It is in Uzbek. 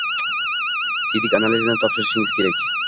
Siydik analizini topshirishingiz kerak.